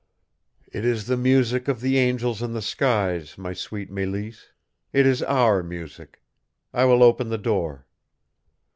"It is the music of the angels in the skies, my sweet Mélisse! It is OUR music. I will open the door."